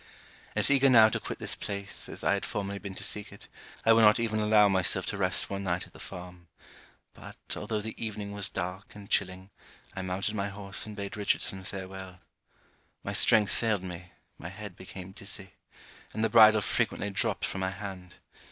As eager now to quit this place as I had formerly been to seek it, I would not even allow myself to rest one night at the farm; but, although the evening was dark and chilling, I mounted my horse and bade Richardson farewel. My strength failed me, my head became dizzy, and the bridle frequently dropped from my hand.